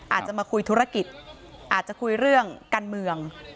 อาจจะมาคุยธุรกิจอาจจะคุยเรื่องการเมือง